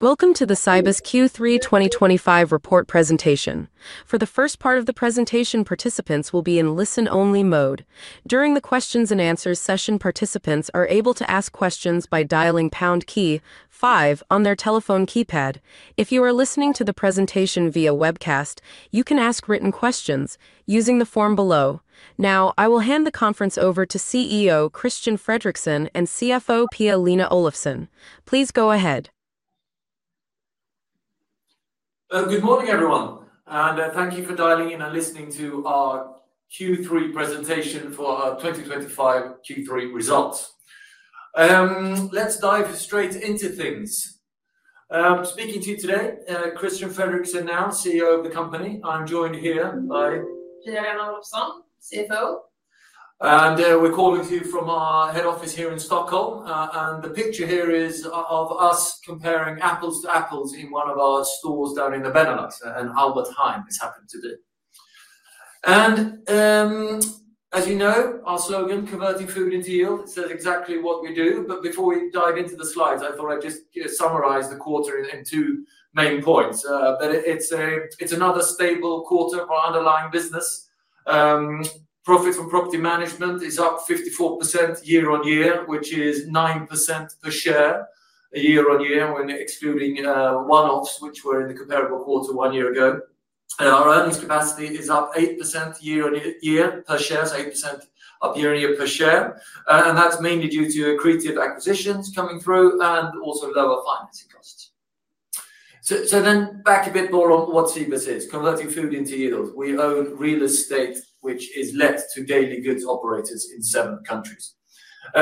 Welcome to the Cibus Q3 2025 report presentation. For the first part of the presentation, participants will be in listen-only mode. During the Q&A session, participants are able to ask questions by dialing pound key 5 on their telephone keypad. If you are listening to the presentation via webcast, you can ask written questions using the form below. Now, I will hand the conference over to CEO Christian Fredrixon and CFO Pia-Lena Olofsson. Please go ahead. Good morning, everyone, and thank you for dialing in and listening to our Q3 presentation for our 2025 Q3 results. Let's dive straight into things. Speaking to you today, Christian Fredrixon, now CEO of the company. I'm joined here by. Pia-Lena Olofsson, CFO. We're calling to you from our head office here in Stockholm. The picture here is of us comparing apples to apples in one of our stores down in the Benelux, and Albert Heijn has happened to do. As you know, our slogan, Converting Food into Yield, says exactly what we do. Before we dive into the slides, I thought I'd just summarize the quarter in two main points. It's another stable quarter for our underlying business. Profits from property management is up 54% year-on-year, which is 9% per share year-on-year, when excluding one-offs, which were in the comparable quarter one year ago. Our earnings capacity is up 8% year-on-year per share, so 8% up year-on-year per share. That's mainly due to accretive acquisitions coming through and also lower financing costs. Back a bit more on what Cibus is: Converting Food into Yield. We own real estate, which is let to daily goods operators in seven countries.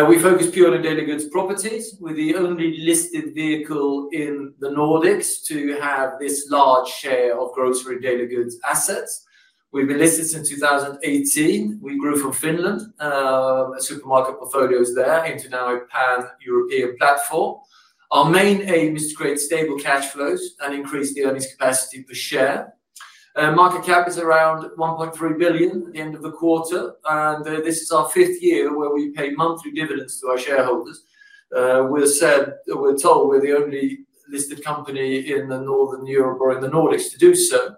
We focus purely on daily goods properties. We're the only listed vehicle in the Nordics to have this large share of grocery daily goods assets. We've been listed since 2018. We grew from Finland. A supermarket portfolio is there, into now a pan-European platform. Our main aim is to create stable cash flows and increase the earnings capacity per share. Market cap is around $1.3 billion at the end of the quarter. This is our fifth year where we pay monthly dividends to our shareholders. We're told we're the only listed company in Northern Europe or in the Nordics to do so.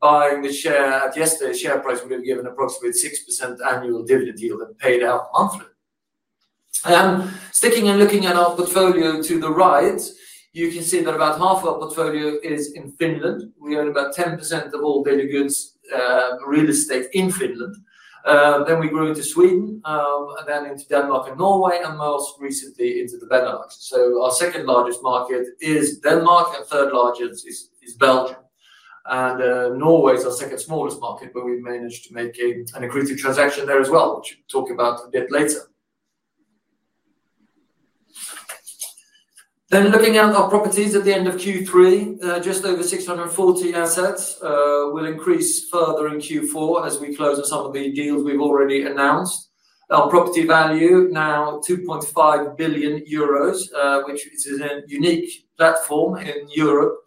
Buying the share at yesterday's share price, we've been given approximately 6% annual dividend yield and paid out monthly. Sticking and looking at our portfolio to the right, you can see that about half of our portfolio is in Finland. We own about 10% of all daily goods real estate in Finland. We grew into Sweden, then into Denmark and Norway, and most recently into the Benelux. Our second largest market is Denmark, and third largest is Belgium. Norway is our second smallest market, but we've managed to make an accretive transaction there as well, which we'll talk about a bit later. Looking at our properties at the end of Q3, just over 640 assets. We'll increase further in Q4 as we close on some of the deals we've already announced. Our property value now 2.5 billion euros, which is a unique platform in Europe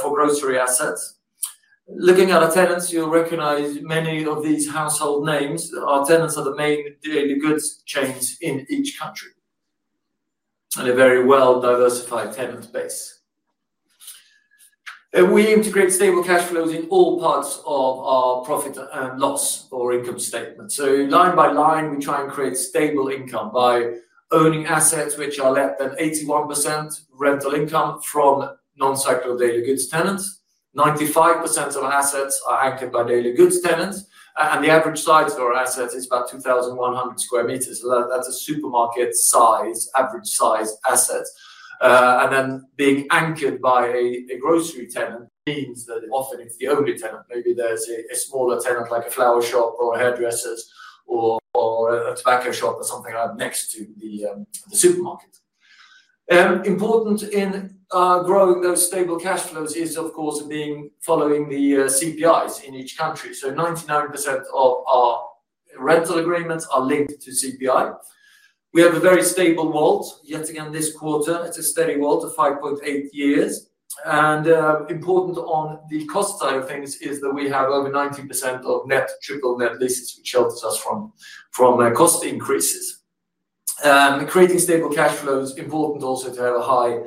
for grocery assets. Looking at our tenants, you'll recognize many of these household names. Our tenants are the main daily goods chains in each country. A very well-diversified tenant base. We integrate stable cash flows in all parts of our profit and loss or income statement. Line by line, we try and create stable income by owning assets, which are let at 81% rental income from non-cycled daily goods tenants. 95% of our assets are anchored by daily goods tenants. The average size of our assets is about 2,100 square metres. That is a supermarket-sized, average-sized asset. Being anchored by a grocery tenant means that often it is the only tenant. Maybe there is a smaller tenant, like a flower shop or hairdressers or a tobacco shop or something like that next to the supermarket. Important in growing those stable cash flows is, of course, following the CPIs in each country. 99% of our rental agreements are linked to CPI. We have a very stable WALT. Yet again, this quarter, it is a steady WALT of 5.8 years. Important on the cost side of things is that we have over 90% of net triple net leases, which helps us from cost increases. Creating stable cash flows is important also to have a high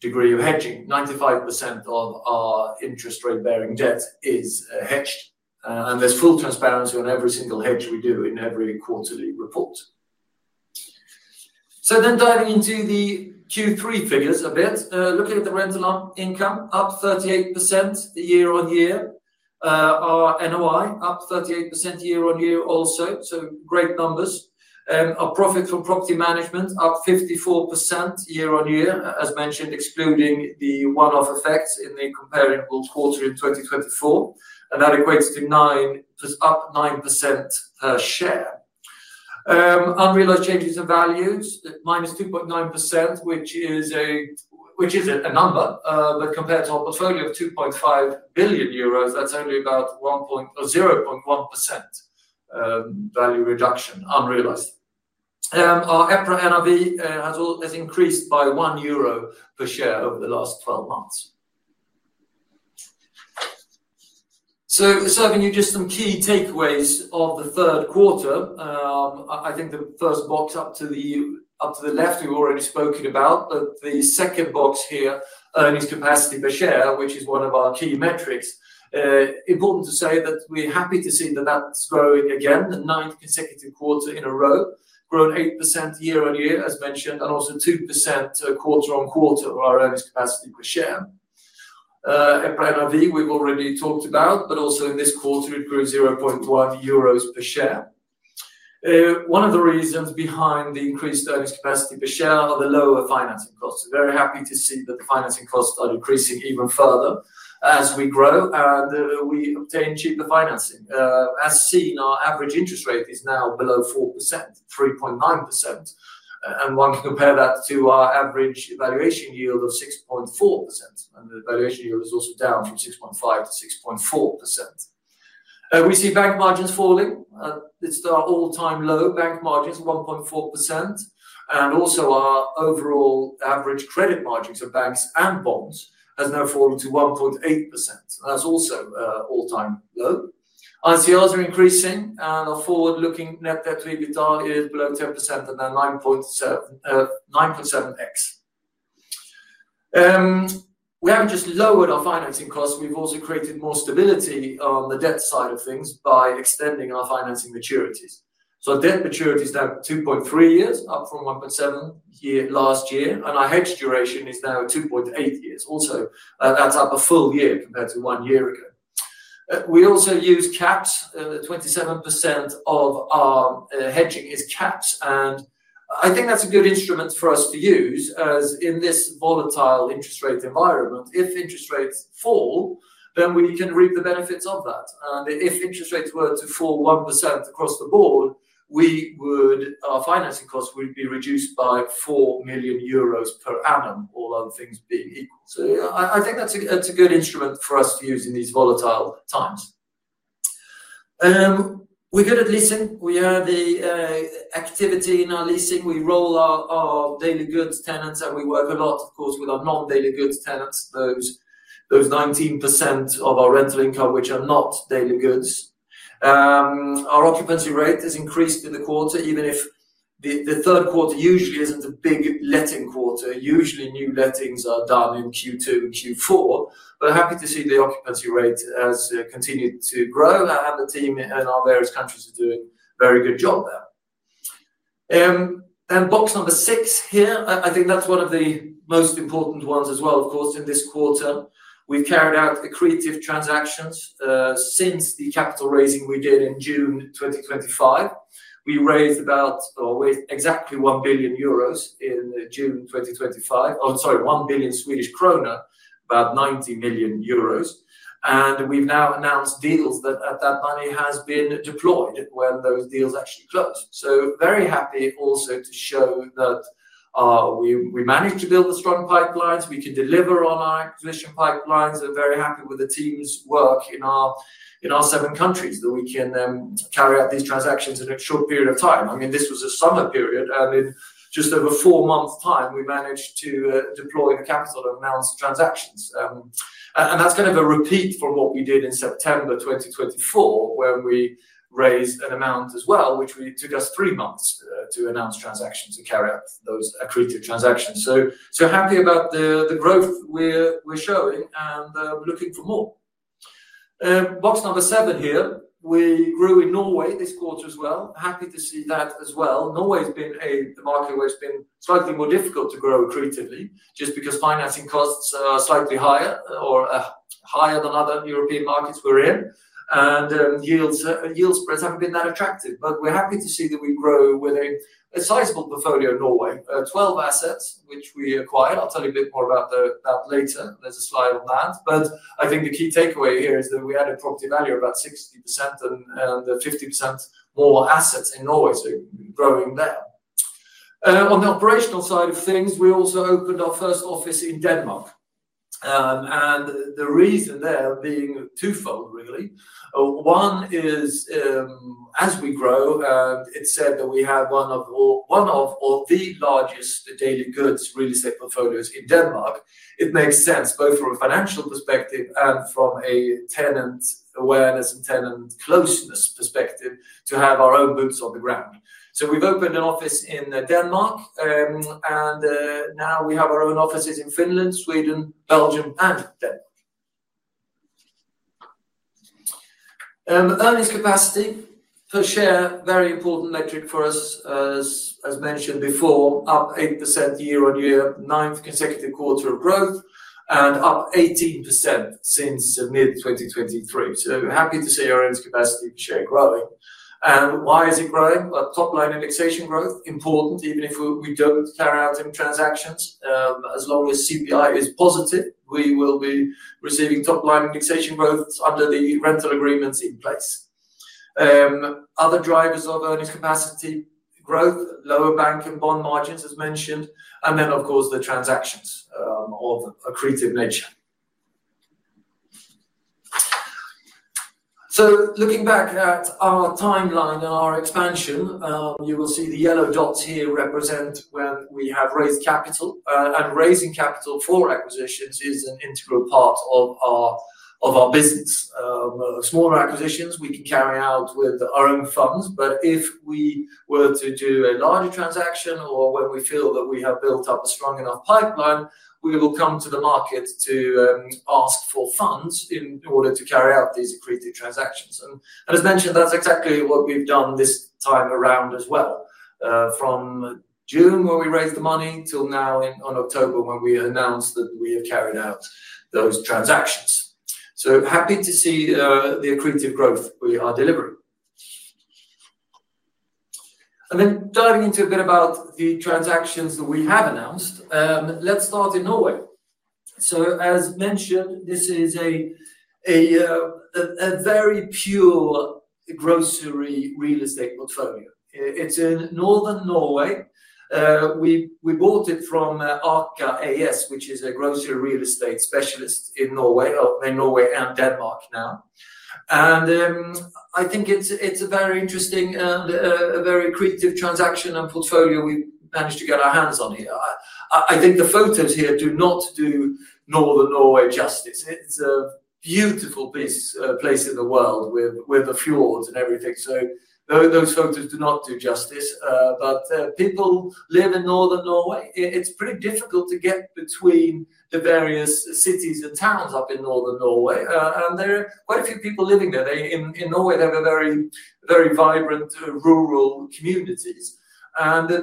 degree of hedging. 95% of our interest rate-bearing debt is hedged. There is full transparency on every single hedge we do in every quarterly report. Diving into the Q3 figures a bit. Looking at the rental income, up 38% year-on-year. Our NOI up 38% year-on-year also. Great numbers. Our profit from property management up 54% year-on-year, as mentioned, excluding the one-off effects in the comparable quarter in 2024. That equates to up 9% per share. Unrealized changes in values, minus 2.9%, which is a number. Compared to our portfolio of 2.5 billion euros, that is only about 0.1%. Value reduction unrealized. Our EPRA NRV has increased by 1 euro per share over the last 12 months. Serving you just some key takeaways of the third quarter. I think the first box up to the left, we have already spoken about. The second box here, earnings capacity per share, which is one of our key metrics. Important to say that we are happy to see that is growing again, the ninth consecutive quarter in a row. Grown 8% year-on-year, as mentioned, and also 2% quarter on quarter of our earnings capacity per share. EPRA NRV we have already talked about, but also in this quarter, it grew 0.1 euros per share. One of the reasons behind the increased earnings capacity per share are the lower financing costs. We are very happy to see that the financing costs are decreasing even further as we grow and we obtain cheaper financing. As seen, our average interest rate is now below 4%, 3.9%. One can compare that to our average valuation yield of 6.4%. The valuation yield is also down from 6.5% to 6.4%. We see bank margins falling. It is our all-time low bank margins, 1.4%. Also our overall average credit margins of banks and bonds has now fallen to 1.8%. That is also all-time low. ICLs are increasing. Our forward-looking net debt to EBITDA is below 10% at now 9.7x. We have not just lowered our financing costs. We've also created more stability on the debt side of things by extending our financing maturities. Debt maturity is now 2.3 years, up from 1.7 years last year. Our hedge duration is now 2.8 years. Also, that's up a full year compared to one year ago. We also use caps. 27% of our hedging is caps. I think that's a good instrument for us to use, as in this volatile interest rate environment, if interest rates fall, then we can reap the benefits of that. If interest rates were to fall 1% across the board, our financing costs would be reduced by 4 million euros per annum, all other things being equal. I think that's a good instrument for us to use in these volatile times. We're good at leasing. We have the activity in our leasing. We roll our daily goods tenants. We work a lot, of course, with our non-daily goods tenants, those 19% of our rental income, which are not daily goods. Our occupancy rate has increased in the quarter, even if the third quarter usually isn't a big letting quarter. Usually, new lettings are done in Q2 and Q4. Happy to see the occupancy rate has continued to grow. The team in our various countries is doing a very good job there. Box number six here, I think that's one of the most important ones as well, of course, in this quarter. We've carried out accretive transactions since the capital raising we did in June 2025. We raised about—exactly—EUR 1 billion in June 2025. Oh, sorry, EUR 1 billion, about 90 million euros. We've now announced deals that that money has been deployed when those deals actually close. Very happy also to show that. We managed to build the strong pipelines. We can deliver on our acquisition pipelines. Very happy with the team's work in our seven countries, that we can carry out these transactions in a short period of time. I mean, this was a summer period. In just over four months' time, we managed to deploy the capital and announce transactions. That's kind of a repeat from what we did in September 2024, when we raised an amount as well, which took us three months to announce transactions and carry out those accretive transactions. Happy about the growth we're showing and looking for more. Box number seven here, we grew in Norway this quarter as well. Happy to see that as well. Norway has been a market where it's been slightly more difficult to grow accretively just because financing costs are slightly higher or higher than other European markets we're in. Yield spreads haven't been that attractive. We're happy to see that we grow with a sizable portfolio in Norway, 12 assets, which we acquired. I'll tell you a bit more about that later. There's a slide on that. I think the key takeaway here is that we added property value, about 60%, and 50% more assets in Norway, so growing there. On the operational side of things, we also opened our first office in Denmark. The reason there being twofold, really. One is, as we grow, it is said that we have one of the largest daily goods real estate portfolios in Denmark. It makes sense, both from a financial perspective and from a tenant awareness and tenant closeness perspective, to have our own boots on the ground. We have opened an office in Denmark. Now we have our own offices in Finland, Sweden, Belgium, and Denmark. Earnings capacity per share, very important metric for us, as mentioned before, up 8% year-on-year, ninth consecutive quarter of growth, and up 18% since mid-2023. Happy to see our earnings capacity per share growing. Why is it growing? Top-line indexation growth, important, even if we do not carry out any transactions. As long as CPI is positive, we will be receiving top-line indexation growth under the rental agreements in place. Other drivers of earnings capacity growth, lower bank and bond margins, as mentioned. Then, of course, the transactions of accretive nature. Looking back at our timeline and our expansion, you will see the yellow dots here represent when we have raised capital. Raising capital for acquisitions is an integral part of our business. Smaller acquisitions we can carry out with our own funds. If we were to do a larger transaction or when we feel that we have built up a strong enough pipeline, we will come to the market to ask for funds in order to carry out these accretive transactions. As mentioned, that is exactly what we have done this time around as well, from June when we raised the money till now in October when we announced that we have carried out those transactions. Happy to see the accretive growth we are delivering. Diving into a bit about the transactions that we have announced, let's start in Norway. As mentioned, this is a very pure grocery real estate portfolio. It is in northern Norway. We bought it from Arka AS, which is a grocery real estate specialist in Norway, mainly Norway and Denmark now. I think it is a very interesting and a very accretive transaction and portfolio we managed to get our hands on here. I think the photos here do not do northern Norway justice. It is a beautiful place in the world with the fjords and everything. Those photos do not do justice. People live in northern Norway. It is pretty difficult to get between the various cities and towns up in northern Norway. There are quite a few people living there. In Norway, they have very vibrant rural communities.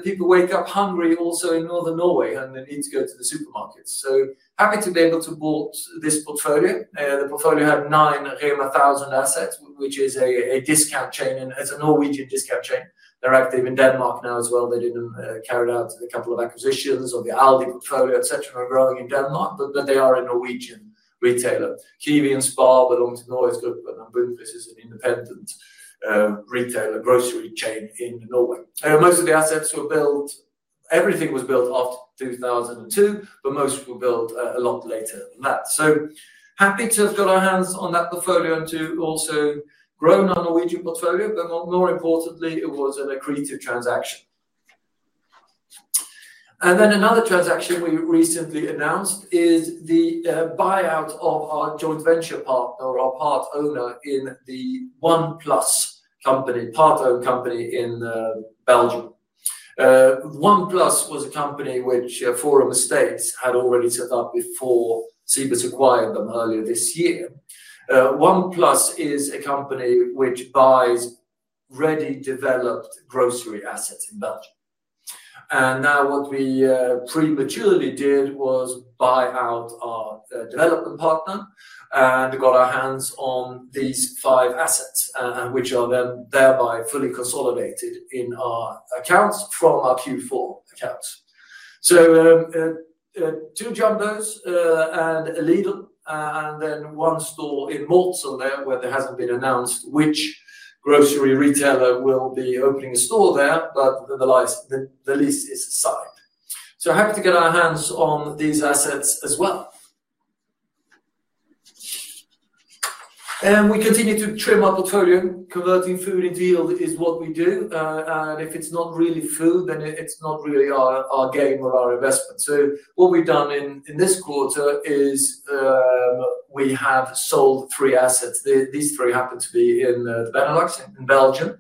People wake up hungry also in northern Norway, and they need to go to the supermarkets. So happy to be able to bought this portfolio. The portfolio had nine Rema 1000 assets, which is a discount chain. And it's a Norwegian discount chain. They're active in Denmark now as well. They did carry out a couple of acquisitions of the ALDI portfolio, et cetera, and are growing in Denmark. But they are a Norwegian retailer. Kiwi and Spar belong to Norway's group. And [Brynfris] is an independent retailer grocery chain in Norway. Most of the assets were built. Everything was built after 2002, but most were built a lot later than that. So happy to have got our hands on that portfolio and to also grow our Norwegian portfolio. But more importantly, it was an accretive transaction. Then another transaction we recently announced is the buyout of our joint venture partner, or our part owner in the One+ company, part-owned company in Belgium. One+ was a company which Forum Estates had already set up before Cibus acquired them earlier this year. One+ is a company which buys ready-developed grocery assets in Belgium. Now what we prematurely did was buy out our development partner and got our hands on these five assets, which are then thereby fully consolidated in our accounts from our Q4 accounts. Two Jumbos and a Lidl, and then one store in [Mortsen] there where there hasn't been announced which grocery retailer will be opening a store there. But the lease is signed. So happy to get our hands on these assets as well. We continue to trim our portfolio. Converting food into yield is what we do. If it's not really food, then it's not really our game or our investment. What we've done in this quarter is we have sold three assets. These three happen to be in the Benelux, in Belgium.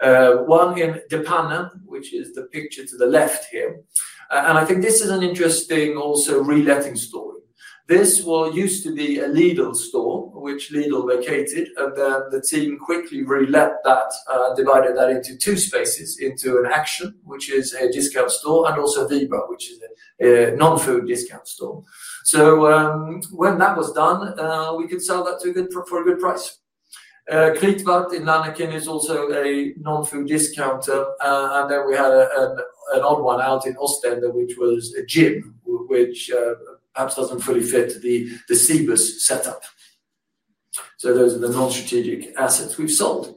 One in De Panne, which is the picture to the left here. I think this is an interesting also reletting story. This used to be a Lidl store, which Lidl vacated. Then the team quickly relet that, divided that into two spaces, into an Action, which is a discount store, and also Wibra, which is a non-food discount store. When that was done, we could sell that for a good price. Kruidvat in Lanaken is also a non-food discounter. Then we had an odd one out in Oostende, which was a gym, which perhaps doesn't fully fit the Cibus setup. Those are the non-strategic assets we've sold.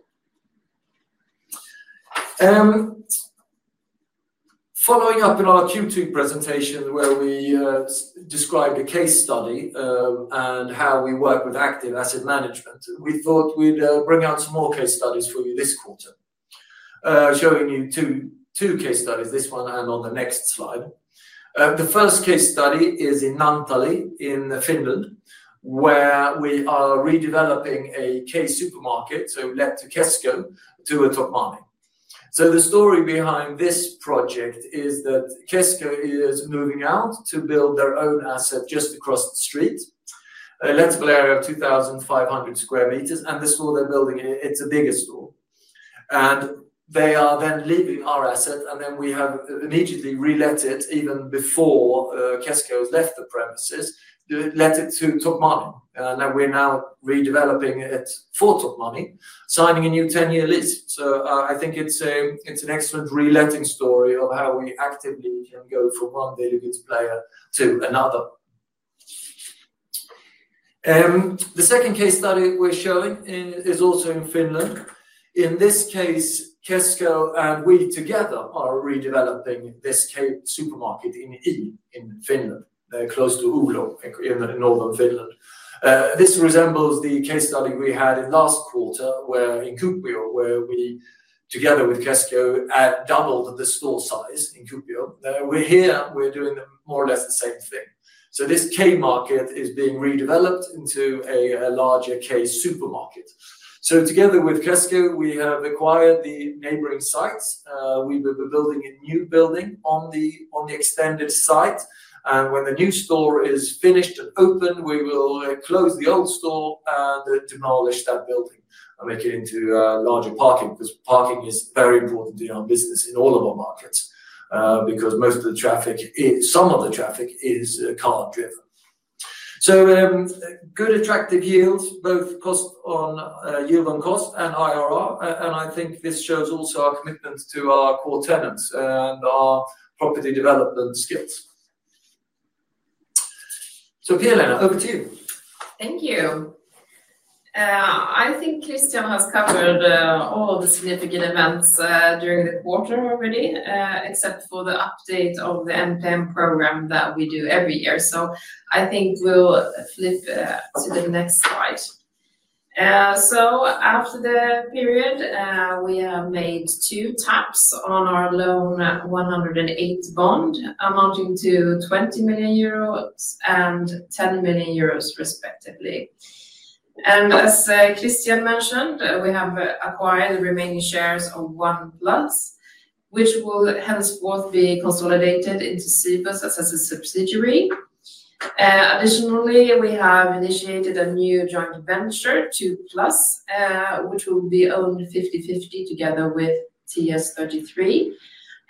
Following up in our Q2 presentation where we described a case study and how we work with active asset management, we thought we'd bring out some more case studies for you this quarter. Showing you two case studies, this one and on the next slide. The first case study is in Naantali, in Finland, where we are redeveloping a K-Supermarket, so letter Kesko, to a top market. The story behind this project is that Kesko is moving out to build their own asset just across the street, a larger area of 2,500 square metres even before Kesko has left the premises, let it to Tokmanni, and we are now redeveloping it for Tokmanni, signing a new 10-year lease. I think it is an excellent reletting story of how we actively can go from one daily goods player to another. The second case study we are showing is also in Finland. In this case, Kesko and we together are redeveloping this K-Supermarket in Ii in Finland, close to Oulu in northern Finland. This resembles the case study we had in last quarter in Kuopio, where we together with Kesko doubled the store size in Kuopio. Here, we are doing more or less the same thing. This K-Market is being redeveloped into a larger K-Supermarket. Together with Kesko, we have acquired the neighboring sites. We have been building a new building on the extended site, and when the new store is finished and open, we will close the old store and demolish that building and make it into a larger parking because parking is very important in our business, in all of our markets, because most of the traffic, some of the traffic is car-driven. Good attractive yields, both yield on cost and IRR. I think this shows also our commitment to our core tenants and our property development skills. Pia-Lena, over to you. Thank you. I think Christian has covered all the significant events during the quarter already, except for the update of the MPM program that we do every year. I think we will flip to the next slide. After the period, we have made two taps on our loan 108 bond amounting to 20 million euros and 10 million euros, respectively. As Christian mentioned, we have acquired the remaining shares of One+, which will henceforth be consolidated into Cibus as a subsidiary. Additionally, we have initiated a new joint venture, Two+, which will be owned 50/50 together with TS33,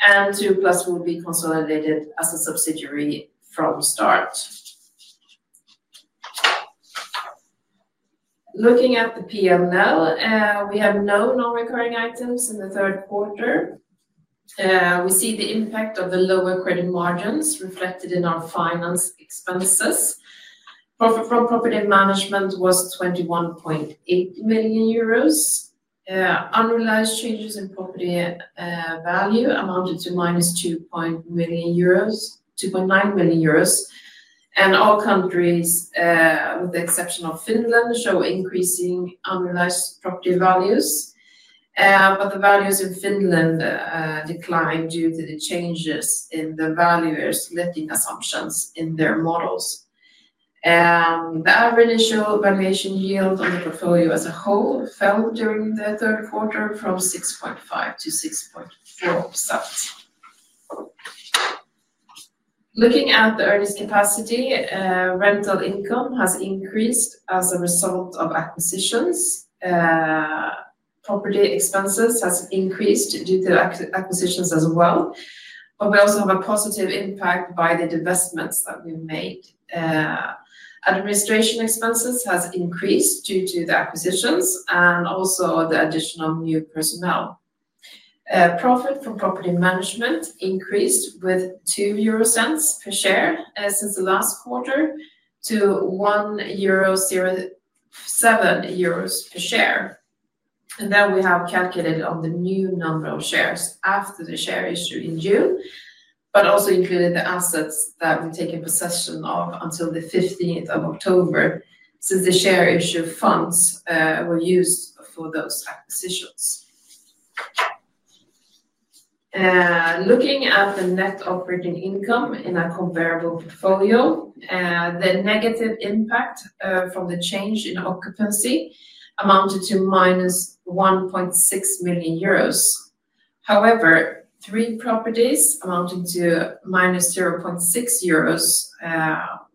and Two+ will be consolidated as a subsidiary from start. Looking at the P&L, we have no non-recurring items in the third quarter. We see the impact of the lower credit margins reflected in our finance expenses. Profit from property management was 21.8 million euros. Unrealized changes in property value amounted to 2.9 million euros, and all countries, with the exception of Finland, show increasing unrealized property values. The values in Finland declined due to the changes in the values letting assumptions in their models. The average initial valuation yield on the portfolio as a whole fell during the third quarter from 6.5%-6.4%. Looking at the earnings capacity, rental income has increased as a result of acquisitions. Property expenses have increased due to acquisitions as well. We also have a positive impact by the divestments that we've made. Administration expenses have increased due to the acquisitions and also the additional new personnel. Profit from property management increased with 2 euro per share since the last quarter to 1.07 euro per share. We have calculated on the new number of shares after the share issue in June, but also included the assets that we take in possession of until the 15th of October, since the share issue funds were used for those acquisitions. Looking at the net operating income in a comparable portfolio, the negative impact from the change in occupancy amounted to -1.6 million euros. However, three properties amounting to -0.6 million euros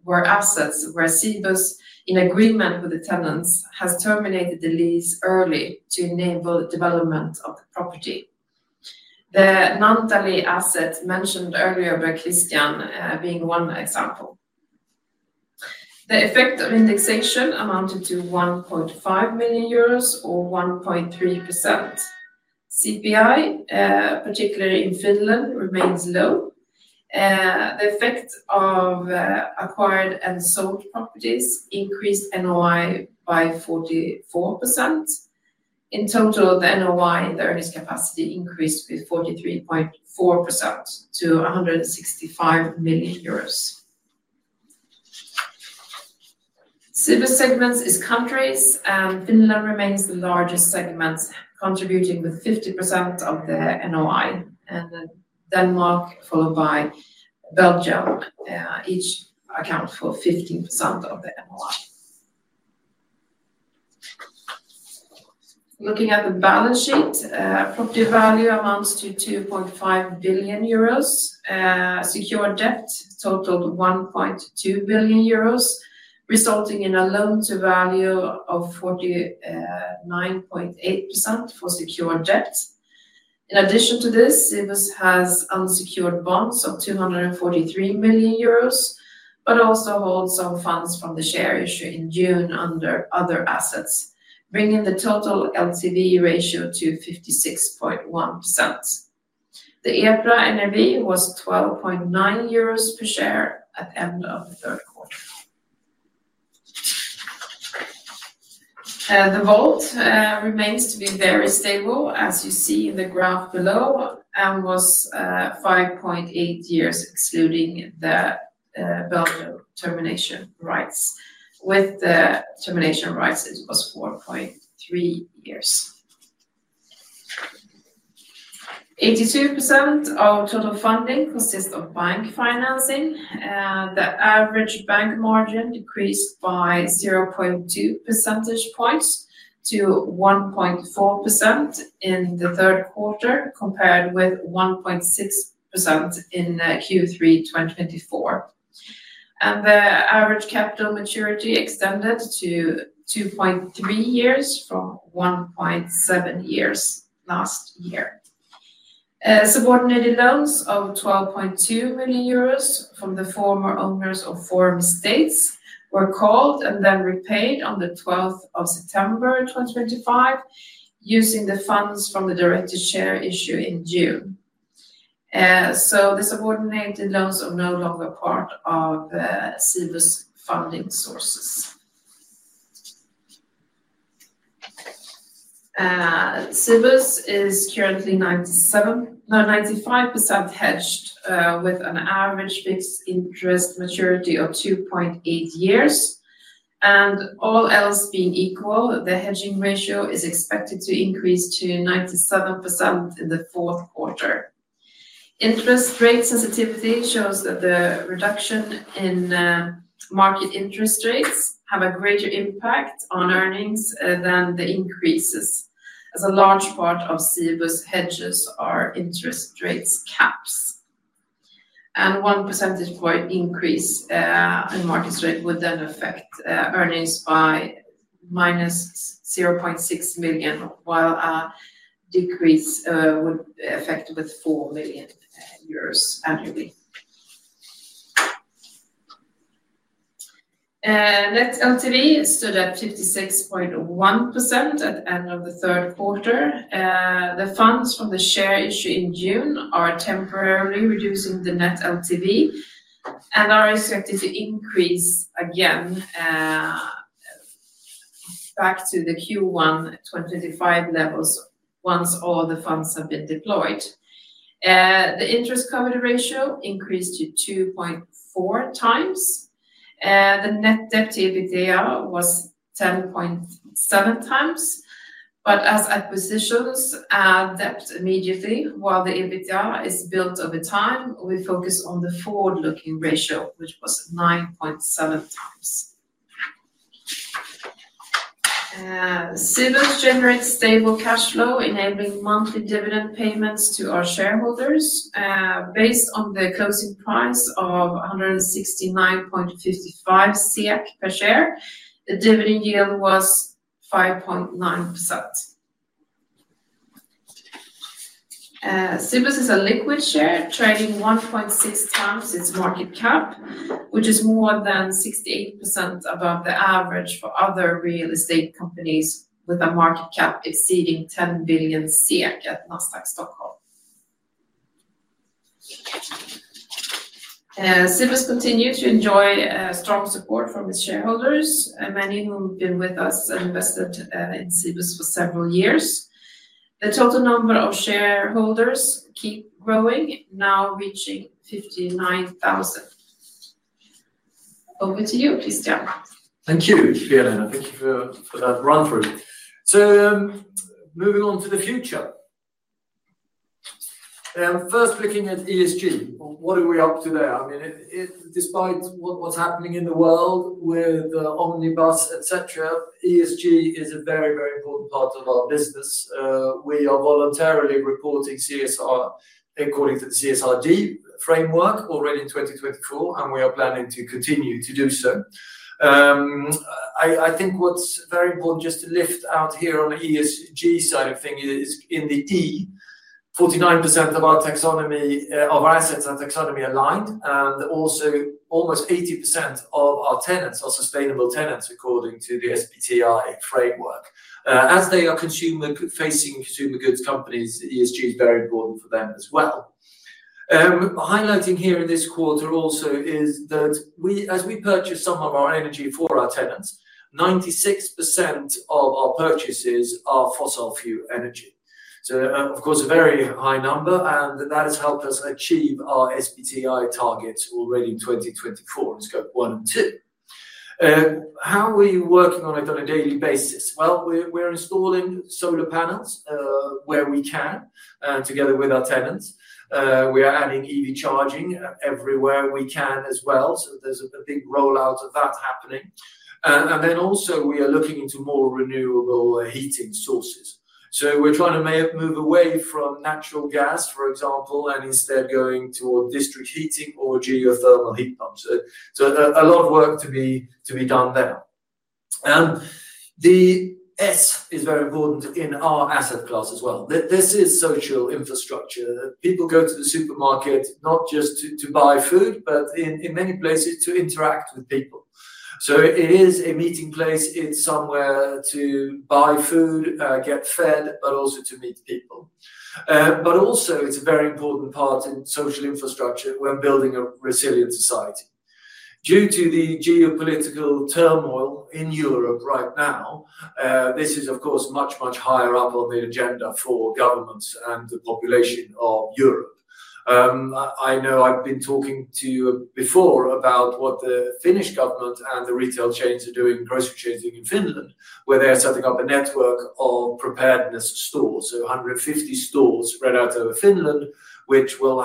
were assets where Cibus, in agreement with the tenants, has terminated the lease early to enable development of the property. The Nantali asset mentioned earlier by Christian being one example. The effect of indexation amounted to 1.5 million euros or 1.3%. CPI, particularly in Finland, remains low. The effect of acquired and sold properties increased NOI by 44%. In total, the NOI in the earnings capacity increased with 43.4% to EUR 165 million. Cibus segments its countries, and Finland remains the largest segment, contributing with 50% of the NOI. Denmark, followed by Belgium, each account for 15% of the NOI. Looking at the balance sheet, property value amounts to 2.5 billion euros. Secured debt totaled 1.2 billion euros, resulting in a loan-to-value of 49.8% for secured debt. In addition to this, Cibus has unsecured bonds of 243 million euros, but also holds some funds from the share issue in June under other assets, bringing the total LTV ratio to 56.1%. The EPRA NRV was 12.9 euros per share at the end of the third quarter. The WALT remains to be very stable, as you see in the graph below, and was 5.8 years excluding the Belgian termination rights. With the termination rights, it was 4.3 years. 82% of total funding consists of bank financing. The average bank margin decreased by 0.2 percentage points to 1.4% in the third quarter, compared with 1.6% in Q3 2024. The average capital maturity extended to 2.3 years from 1.7 years last year. Subordinated loans of 12.2 million euros from the former owners of Forum Estates were called and then repaid on the 12th of September 2025, using the funds from the directed share issue in June. The subordinated loans are no longer part of Cibus funding sources. Cibus is currently 95% hedged with an average fixed interest maturity of 2.8 years. All else being equal, the hedging ratio is expected to increase to 97% in the fourth quarter. Interest rate sensitivity shows that the reduction in market interest rates has a greater impact on earnings than the increases, as a large part of Cibus hedges are interest rate caps. One percentage point increase in market rate would then affect earnings by 0.6 million, while a decrease would affect 4 million euros annually. Net LTV stood at 56.1% at the end of the third quarter. The funds from the share issue in June are temporarily reducing the net LTV and are expected to increase again, back to the Q1 2025 levels once all the funds have been deployed. The interest coverage ratio increased to 2.4x. The net debt to EBITDA was 10.7x. As acquisitions are debt immediately, while the EBITDA is built over time, we focus on the forward-looking ratio, which was 9.7x. Cibus generates stable cash flow, enabling monthly dividend payments to our shareholders. Based on the closing price of 169.55 per share, the dividend yield was 5.9%. Cibus is a liquid share, trading 1.6x its market capitalization, which is more than 68% above the average for other real estate companies, with a market capitalization exceeding 10 billion at Nasdaq Stockholm. Cibus continues to enjoy strong support from its shareholders, many who have been with us and invested in Cibus for several years. The total number of shareholders keeps growing, now reaching 59,000. Over to you, Christian. Thank you, Pia-Lena. Thank you for that run-through. Moving on to the future. First, looking at ESG, what are we up to there? I mean, despite what is happening in the world with Omnibus, etc., ESG is a very, very important part of our business. We are voluntarily reporting CSR according to the CSRD framework already in 2024, and we are planning to continue to do so. I think what is very important just to lift out here on the ESG side of things is in the E, 49% of our assets are taxonomy-aligned, and also almost 80% of our tenants are sustainable tenants according to the SBTI framework. As they are consumer-facing consumer goods companies, ESG is very important for them as well. Highlighting here in this quarter also is that as we purchase some of our energy for our tenants, 96% of our purchases are fossil fuel energy. Of course, a very high number, and that has helped us achieve our SBTI targets already in 2024 in scope one and two. How are we working on it on a daily basis? We are installing solar panels where we can together with our tenants. We are adding EV charging everywhere we can as well. There is a big rollout of that happening. Also, we are looking into more renewable heating sources. We are trying to move away from natural gas, for example, and instead going toward district heating or geothermal heat pumps. A lot of work to be done there. The S is very important in our asset class as well. This is social infrastructure. People go to the supermarket not just to buy food, but in many places to interact with people. It is a meeting place. It is somewhere to buy food, get fed, but also to meet people. But also, it's a very important part in social infrastructure when building a resilient society. Due to the geopolitical turmoil in Europe right now, this is, of course, much, much higher up on the agenda for governments and the population of Europe. I know I've been talking to you before about what the Finnish government and the retail chains are doing, grocery chains in Finland, where they're setting up a network of preparedness stores. So 150 stores spread out over Finland, which will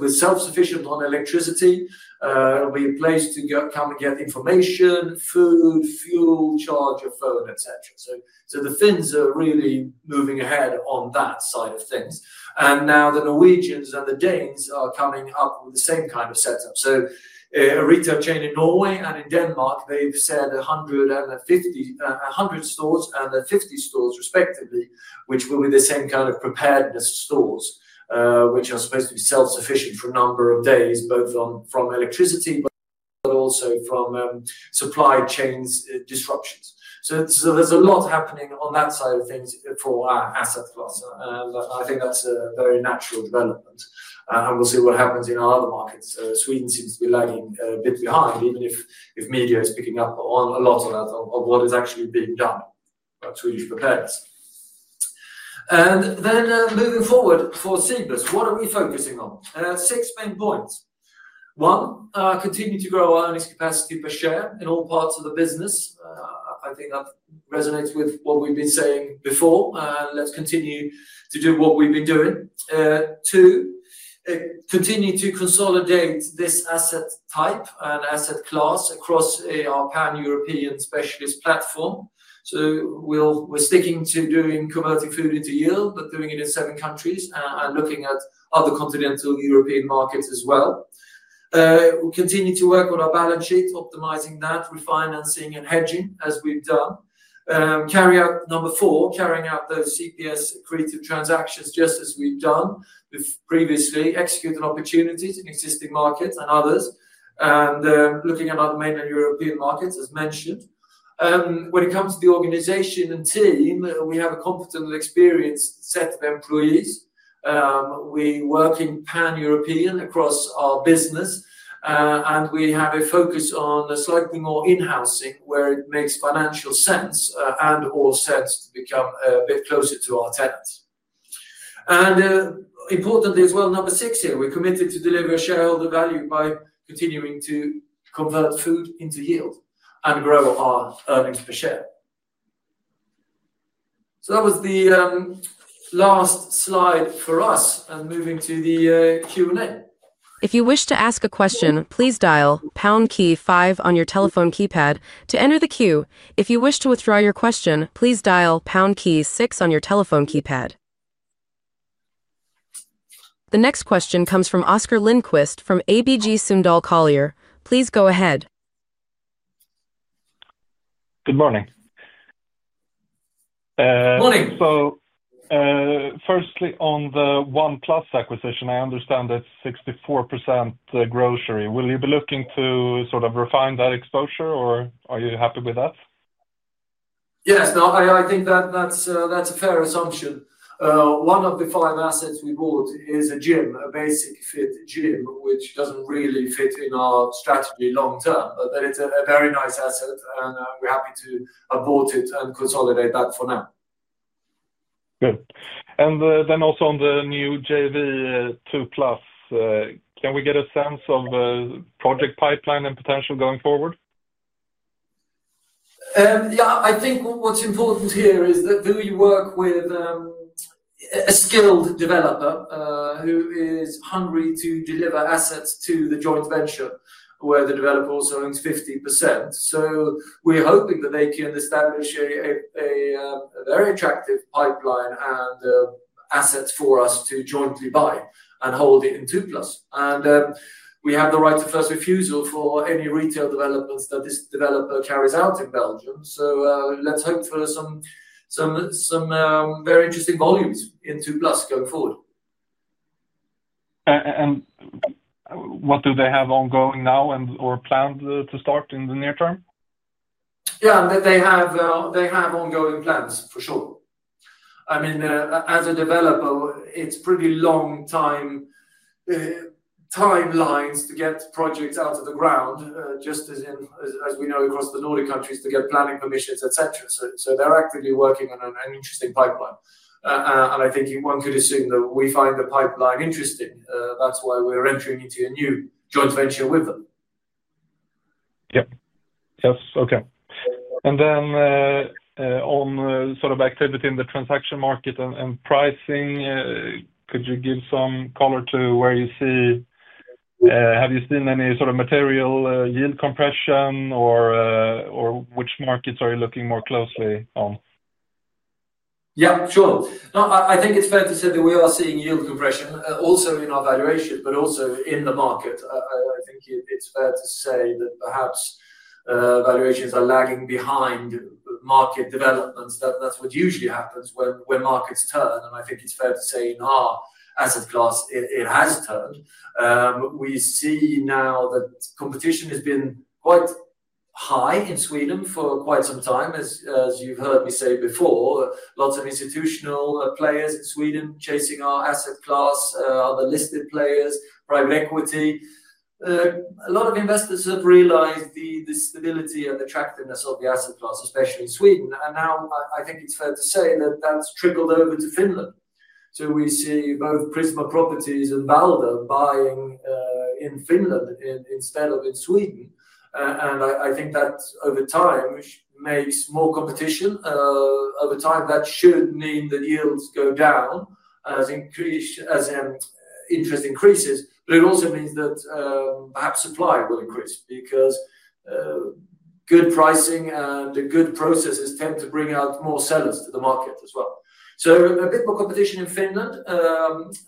be self-sufficient on electricity. It'll be a place to come and get information, food, fuel, charge your phone, etc. The Finns are really moving ahead on that side of things. Now the Norwegians and the Danes are coming up with the same kind of setup. A retail chain in Norway and in Denmark, they've said 100 stores and 50 stores respectively, which will be the same kind of preparedness stores, which are supposed to be self-sufficient for a number of days, both from electricity but also from supply chain disruptions. There's a lot happening on that side of things for our asset class. I think that's a very natural development. We'll see what happens in our other markets. Sweden seems to be lagging a bit behind, even if media is picking up a lot on that, of what is actually being done by Swedish preparedness. Moving forward for Cibus, what are we focusing on? Six main points. One, continue to grow our earnings capacity per share in all parts of the business. I think that resonates with what we've been saying before. Let's continue to do what we've been doing. Two, continue to consolidate this asset type and asset class across our pan-European specialist platform. We're sticking to doing converting food into yield, but doing it in seven countries and looking at other continental European markets as well. Continue to work on our balance sheet, optimizing that, refinancing and hedging as we've done. Number four, carrying out those CPS accretive transactions just as we've done previously, executing opportunities in existing markets and others, and looking at other mainland European markets, as mentioned. When it comes to the organization and team, we have a competent and experienced set of employees. We work pan-European across our business. We have a focus on slightly more in-housing, where it makes financial sense and/or sense to become a bit closer to our tenants. Importantly as well, number six here, we're committed to deliver shareholder value by continuing to convert food into yield and grow our earnings per share. That was the last slide for us, and moving to the Q&A. If you wish to ask a question, please dial pound key five on your telephone keypad to enter the queue. If you wish to withdraw your question, please dial pound key six on your telephone keypad. The next question comes from Oscar Lindquist from ABG Sundal Collier. Please go ahead. Good morning. Morning. Firstly, on the One+ acquisition, I understand it's 64% grocery. Will you be looking to sort of refine that exposure, or are you happy with that? Yes. No, I think that's a fair assumption. One of the five assets we bought is a gym, a Basic-Fit gym, which doesn't really fit in our strategy long term, but it's a very nice asset, and we're happy to have bought it and consolidate that for now. Good. Also on the new JV Two+, can we get a sense of project pipeline and potential going forward? Yeah. I think what's important here is that we work with a skilled developer who is hungry to deliver assets to the joint venture, where the developer also owns 50%. We're hoping that they can establish a very attractive pipeline and assets for us to jointly buy and hold in Two+. We have the right of first refusal for any retail developments that this developer carries out in Belgium. Let's hope for some very interesting volumes in Two+ going forward. What do they have ongoing now and/or planned to start in the near term? Yeah. They have ongoing plans, for sure. I mean, as a developer, it's pretty long timelines to get projects out of the ground, just as we know across the Nordic countries to get planning permissions, etc. They're actively working on an interesting pipeline. I think one could assume that we find the pipeline interesting. That's why we're entering into a new joint venture with them. Yep. Yes. Okay. On sort of activity in the transaction market and pricing, could you give some color to where you see. Have you seen any sort of material yield compression, or which markets are you looking more closely on? Yeah. Sure. No, I think it's fair to say that we are seeing yield compression also in our valuation, but also in the market. I think it's fair to say that perhaps valuations are lagging behind market developments. That's what usually happens when markets turn. I think it's fair to say in our asset class, it has turned. We see now that competition has been quite high in Sweden for quite some time, as you've heard me say before. Lots of institutional players in Sweden chasing our asset class, other listed players, private equity. A lot of investors have realized the stability and the attractiveness of the asset class, especially in Sweden. Now I think it's fair to say that that's trickled over to Finland. We see both Prisma Properties and Avalor buying in Finland instead of in Sweden. I think that over time makes more competition. Over time, that should mean that yields go down as interest increases. It also means that perhaps supply will increase because. Good pricing and good processes tend to bring out more sellers to the market as well. A bit more competition in Finland.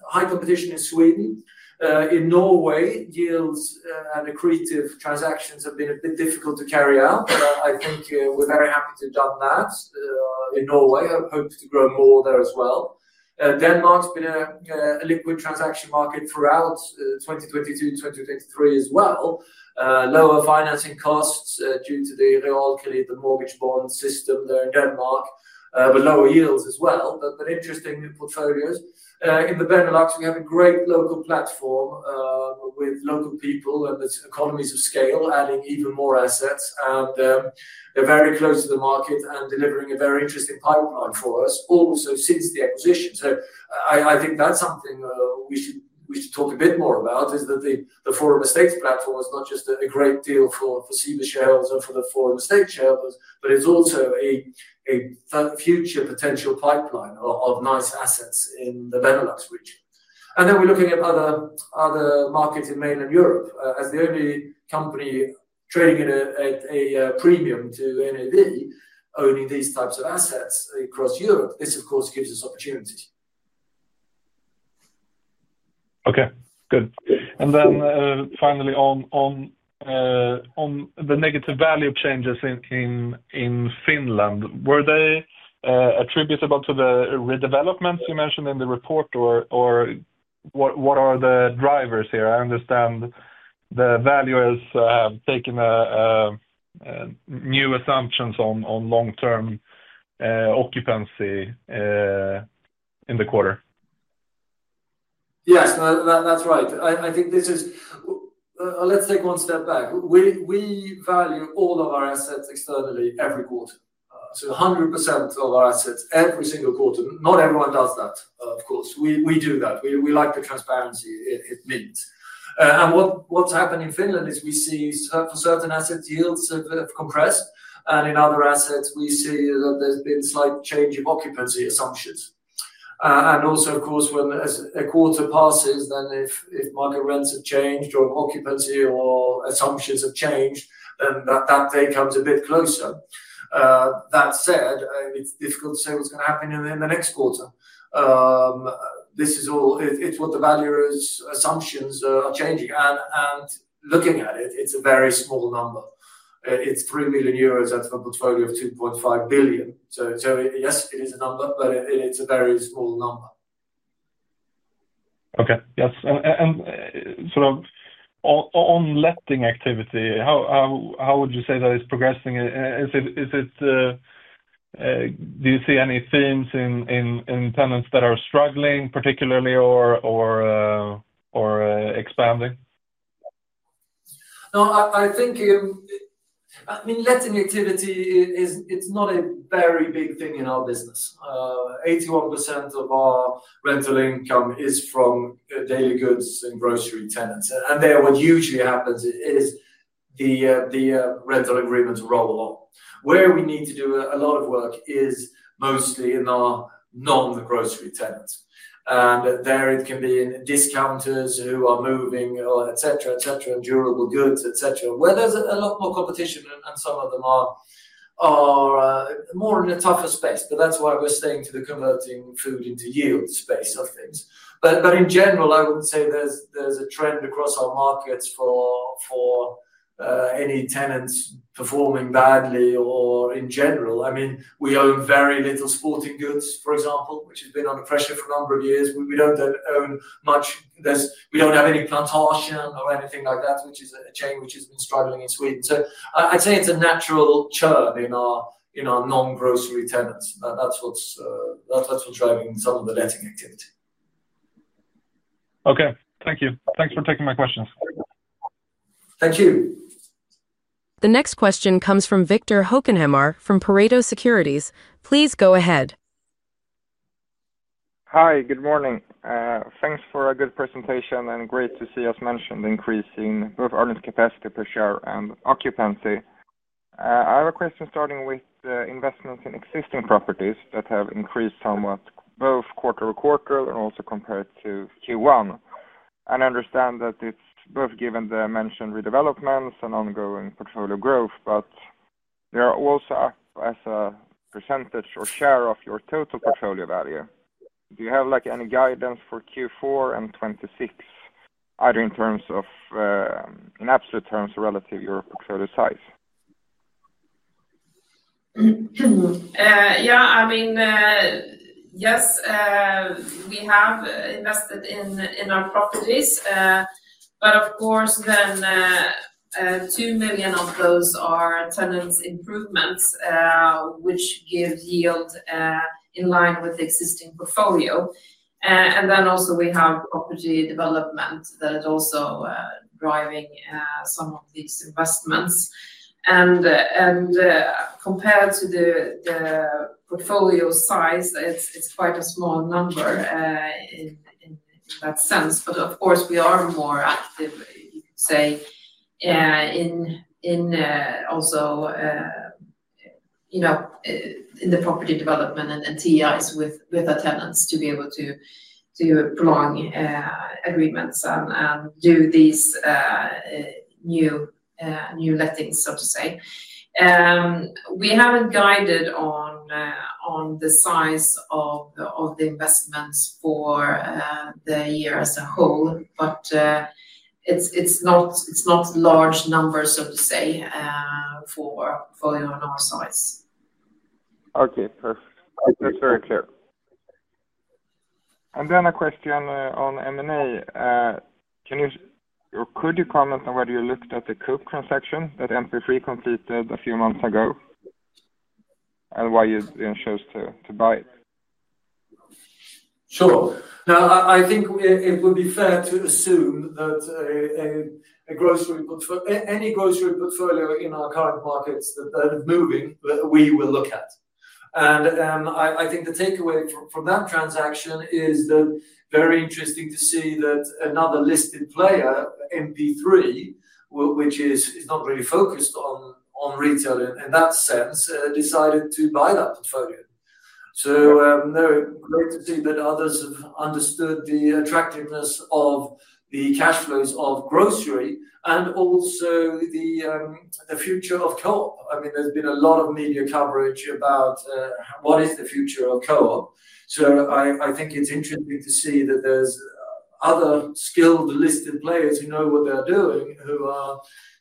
High competition in Sweden. In Norway, yields and accretive transactions have been a bit difficult to carry out. I think we're very happy to have done that. In Norway, I hope to grow more there as well. Denmark's been a liquid transaction market throughout 2022, 2023 as well. Lower financing costs due to the reality of the mortgage bond system there in Denmark, but lower yields as well. Interesting portfolios. In the Benelux, we have a great local platform. With local people and economies of scale, adding even more assets. They're very close to the market and delivering a very interesting pipeline for us, also since the acquisition. I think that's something we should talk a bit more about, is that the Forum Estates platform is not just a great deal for Cibus shareholders and for the Forum Estates shareholders, but it's also a future potential pipeline of nice assets in the Benelux region. We're looking at other markets in mainland Europe as the only company trading at a premium to net asset value owning these types of assets across Europe. This, of course, gives us opportunity. Okay. Good. Finally, on the negative value changes in Finland, were they attributable to the redevelopments you mentioned in the report, or what are the drivers here? I understand the value has taken new assumptions on long-term occupancy in the quarter. Yes. That's right. I think this is—let's take one step back. We value all of our assets externally every quarter. 100% of our assets every single quarter. Not everyone does that, of course. We do that. We like the transparency it means. What's happened in Finland is we see for certain assets, yields have compressed. In other assets, we see that there's been slight change in occupancy assumptions. Also, of course, when a quarter passes, then if market rents have changed or occupancy or assumptions have changed, then that day comes a bit closer. That said, it's difficult to say what's going to happen in the next quarter. This is all—it's what the value assumptions are changing. Looking at it, it's a very small number. It's 3 million euros at a portfolio of 2.5 billion. Yes, it is a number, but it's a very small number. Okay. Yes. On letting activity, how would you say that it's progressing? Do you see any themes in tenants that are struggling, particularly, or expanding? No. I think—I mean, letting activity, it's not a very big thing in our business. 81% of our rental income is from daily goods and grocery tenants. What usually happens is the rental agreements roll on. Where we need to do a lot of work is mostly in our non-grocery tenants. There it can be in discounters who are moving, etc., etc., and durable goods, etc., where there is a lot more competition and some of them are more in a tougher space. That is why we are staying to the converting food into yield space of things. In general, I would not say there is a trend across our markets for any tenants performing badly or in general. I mean, we own very little sporting goods, for example, which has been under pressure for a number of years. We do not own much. We do not have any Plantagen or anything like that, which is a chain that has been struggling in Sweden. I would say it is a natural churn in our non-grocery tenants. That is what is driving some of the letting activity. Thank you. Thanks for taking my questions. Thank you. The next question comes from Viktor Hökenhammar from Pareto Securities. Please go ahead. Hi. Good morning. Thanks for a good presentation and great to see us mention the increase in both earnings capacity per share and occupancy. I have a question starting with investments in existing properties that have increased somewhat, both quarter to quarter and also compared to Q1. I understand that it is both given the mentioned redevelopments and ongoing portfolio growth, but they are also up as a percentage or share of your total portfolio value. Do you have any guidance for Q4 and 2026, either in absolute terms or relative to your portfolio size? Yeah. I mean, yes. We have invested in our properties. Of course, then 2 million of those are tenants' improvements, which give yield in line with the existing portfolio. Also, we have property development that is also driving some of these investments. Compared to the portfolio size, it is quite a small number in that sense. Of course, we are more active, you could say, in also the property development and TIs with our tenants to be able to do prolonged agreements and do these new lettings, so to say. We have not guided on the size of the investments for the year as a whole, but it is not large numbers, so to say, for portfolio on our side. Okay. Perfect. That is very clear. Then a question on M&A. Could you comment on whether you looked at the Coop transaction that MP3 completed a few months ago and why you chose to buy it? Sure. I think it would be fair to assume that any grocery portfolio in our current markets that are moving, we will look at. I think the takeaway from that transaction is that it is very interesting to see that another listed player, MP3, which is not really focused on retail in that sense, decided to buy that portfolio. Great to see that others have understood the attractiveness of the cash flows of grocery and also the future of Coop. I mean, there has been a lot of media coverage about. What is the future of Coop. I think it's interesting to see that there's other skilled listed players who know what they're doing,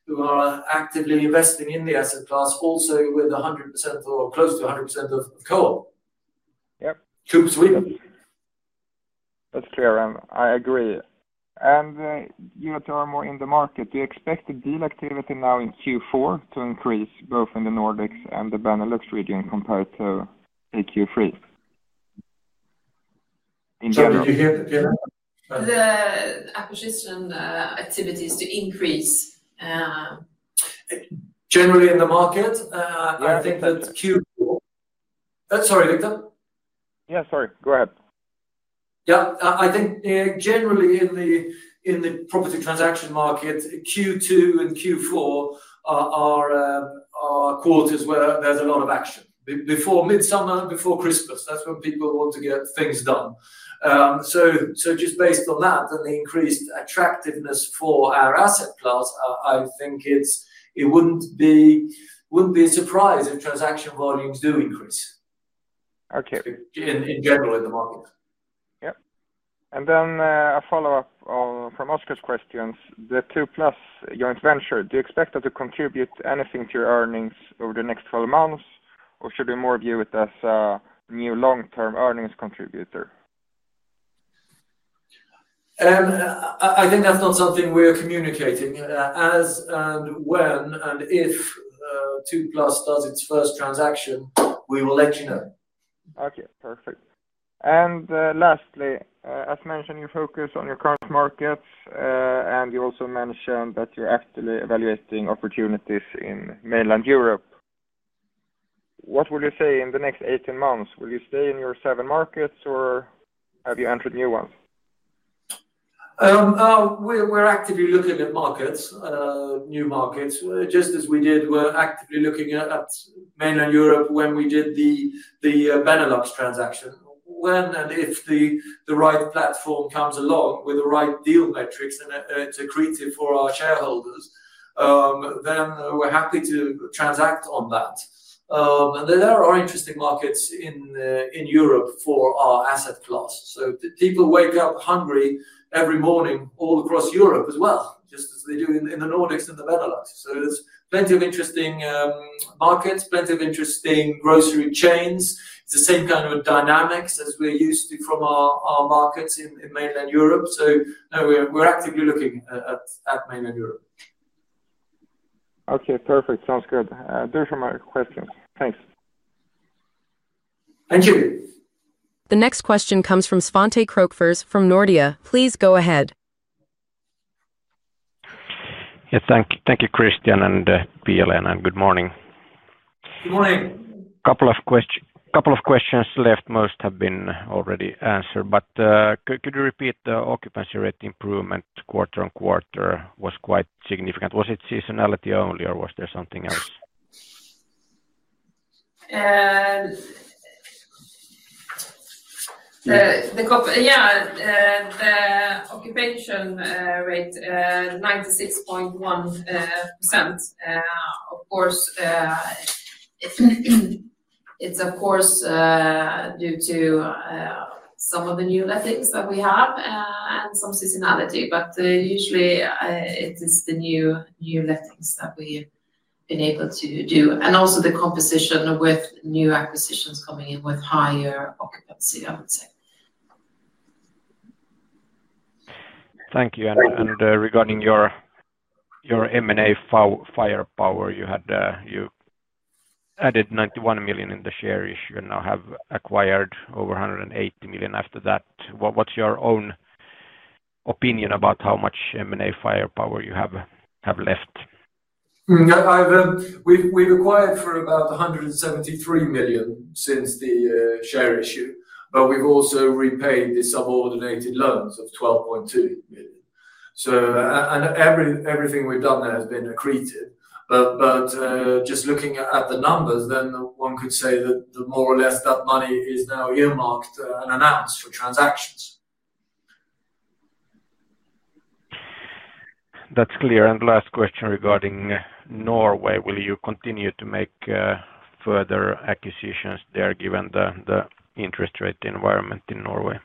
who are actively investing in the asset class, also with 100% or close to 100% of Coop. Coop Sweden. That's clear. I agree. You were talking more in the market. Do you expect the deal activity now in Q4 to increase, both in the Nordics and the Benelux region, compared to Q3? In general? Did you hear that? The acquisition activity is to increase. Generally in the market. I think that Q— Sorry, Victor? Yeah. Sorry. Go ahead. Yeah. I think generally in the property transaction market, Q2 and Q4 are quarters where there's a lot of action. Before midsummer, before Christmas. That's when people want to get things done. Just based on that and the increased attractiveness for our asset class, I think it wouldn't be a surprise if transaction volumes do increase in general in the market. Yep. A follow-up from Oscar's questions. The Two+ joint venture, do you expect that to contribute anything to your earnings over the next 12 months, or should we more view it as a new long-term earnings contributor? I think that's not something we're communicating. As and when and if Two+ does its first transaction, we will let you know. Okay. Perfect. Lastly, as mentioned, you focus on your current markets, and you also mentioned that you're actively evaluating opportunities in mainland Europe. What would you say in the next 18 months? Will you stay in your seven markets, or have you entered new ones? We're actively looking at markets, new markets, just as we did. We're actively looking at mainland Europe when we did the Benelux transaction. When and if the right platform comes along with the right deal metrics and it's accretive for our shareholders, then we're happy to transact on that. There are interesting markets in Europe for our asset class. People wake up hungry every morning all across Europe as well, just as they do in the Nordics and the Benelux. There's plenty of interesting markets, plenty of interesting grocery chains. It's the same kind of dynamics as we're used to from our markets in mainland Europe. We're actively looking at mainland Europe. Okay. Perfect. Sounds good. Those are my questions. Thanks. Thank you. The next question comes from Svante Krokfors from Nordia. Please go ahead. Yeah. Thank you, Christian and Pia-Lena. Good morning. Good morning. A couple of questions left. Most have been already answered. Could you repeat the occupancy rate improvement quarter on quarter was quite significant. Was it seasonality only, or was there something else? Yeah. The occupation rate, 96.1%. Of course. It's of course due to some of the new lettings that we have and some seasonality. Usually, it is the new lettings that we've been able to do. And also the composition with new acquisitions coming in with higher occupancy, I would say. Thank you. And regarding your M&A firepower, you had added 91 million in the share issue and now have acquired over 180 million after that. What's your own opinion about how much M&A firepower you have left? We've acquired for about 173 million since the share issue, but we've also repaid the subordinated loans of 12.2 million. And everything we've done there has been accretive. Just looking at the numbers, then one could say that more or less that money is now earmarked and announced for transactions. That's clear. Last question regarding Norway. Will you continue to make further acquisitions there, given the interest rate environment in Norway?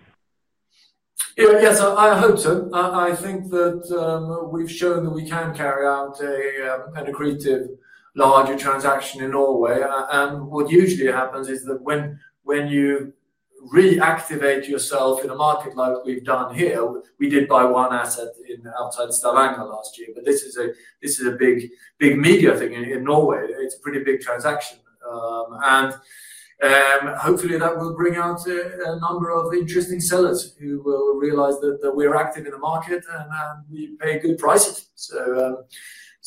Yes. I hope so. I think that we've shown that we can carry out an accretive larger transaction in Norway. What usually happens is that when you reactivate yourself in a market like we've done here, we did buy one asset outside Stavanger last year. This is a big media thing in Norway. It's a pretty big transaction. Hopefully, that will bring out a number of interesting sellers who will realize that we are active in the market and we pay good prices.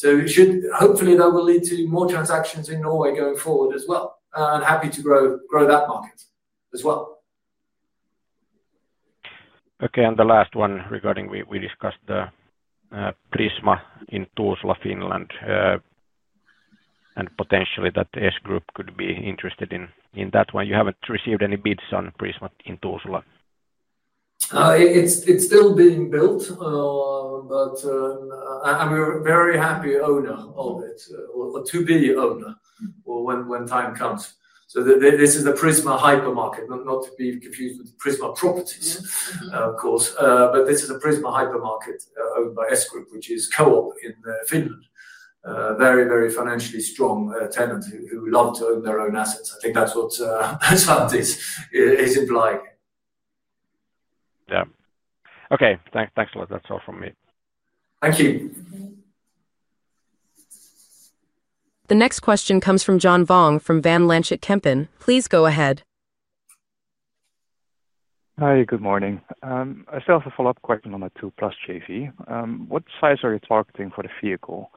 Hopefully, that will lead to more transactions in Norway going forward as well. Happy to grow that market as well. Okay. The last one regarding, we discussed the Prisma in Tuusula, Finland, and potentially that S Group could be interested in that one. You haven't received any bids on Prisma in Tuusula? It's still being built. I'm a very happy owner of it, or to be an owner when time comes. This is a Prisma hypermarket, not to be confused with Prisma properties, of course. This is a Prisma hypermarket owned by S Group, which is co-op in Finland. Very, very financially strong tenant who love to own their own assets. I think that's what Svante is implying. Yeah. Okay. Thanks a lot. That's all from me. Thank you. The next question comes from John Vuong from Van Lanschot Kempen. Please go ahead. Hi. Good morning. I still have a follow-up question on the Two+ JV. What size are you targeting for the vehicle?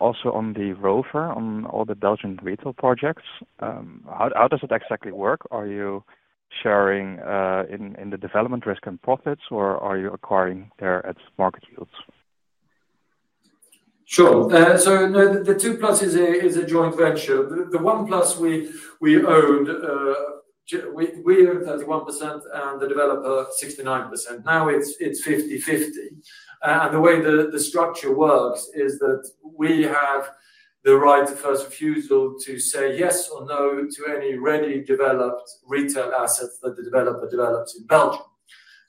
Also on the Rover, on all the Belgian retail projects, how does it exactly work? Are you sharing in the development risk and profits, or are you acquiring there at market yields? Sure. The Two+ is a joint venture. The One+, we owned 31% and the developer 69%. Now it's 50/50. The way the structure works is that we have the right of first refusal to say yes or no to any ready-developed retail assets that the developer develops in Belgium.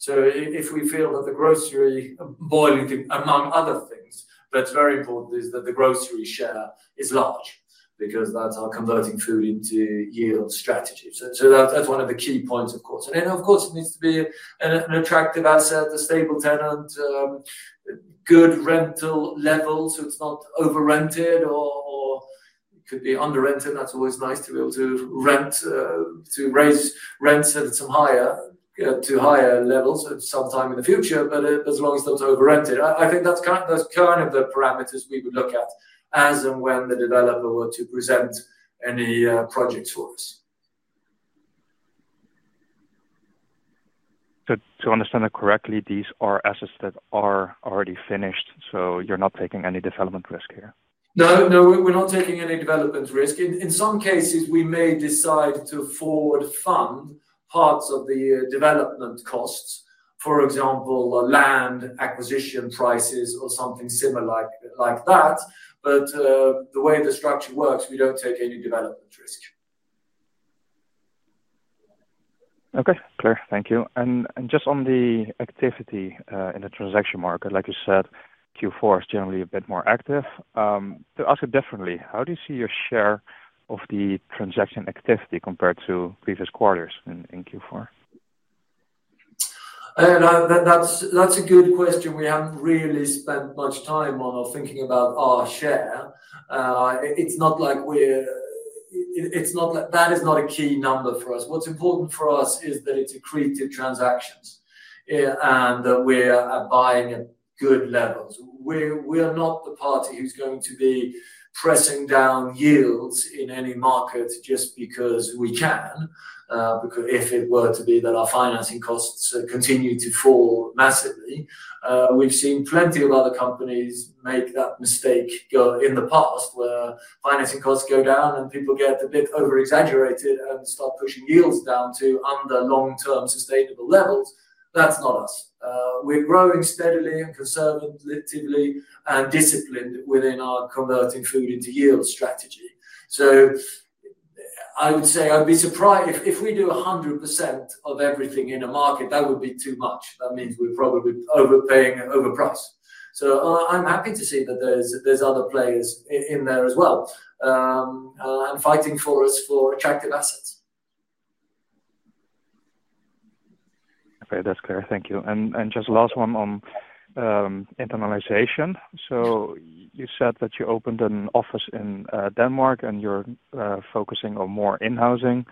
If we feel that the grocery boiling, among other things, but it's very important is that the grocery share is large because that's our converting food into yield strategy. So that's one of the key points, of course. And then, of course, it needs to be an attractive asset, a stable tenant. Good rental levels so it's not over-rented or it could be under-rented. That's always nice to be able to raise rents at some higher levels sometime in the future, but as long as it's not over-rented. I think that's kind of the parameters we would look at as and when the developer were to present any projects for us. So to understand it correctly, these are assets that are already finished, so you're not taking any development risk here? No, no. We're not taking any development risk. In some cases, we may decide to forward fund parts of the development costs, for example, land acquisition prices or something similar like that. But the way the structure works, we don't take any development risk. Okay. Clear. Thank you. And just on the activity in the transaction market, like you said, Q4 is generally a bit more active. To ask it differently, how do you see your share of the transaction activity compared to previous quarters in Q4? That's a good question. We haven't really spent much time on or thinking about our share. It's not like we're—that is not a key number for us. What's important for us is that it's accretive transactions and that we're buying at good levels. We are not the party who's going to be pressing down yields in any market just because we can. If it were to be that our financing costs continue to fall massively, we've seen plenty of other companies make that mistake in the past where financing costs go down and people get a bit overexaggerated and start pushing yields down to under long-term sustainable levels. That's not us. We're growing steadily and conservatively and disciplined within our converting food into yield strategy. I would say I'd be surprised if we do 100% of everything in a market, that would be too much. That means we're probably overpaying and overpriced. So I'm happy to see that there's other players in there as well and fighting for us for attractive assets. Okay. That's clear. Thank you. And just last one on internalization. So you said that you opened an office in Denmark and you're focusing on more in-housing.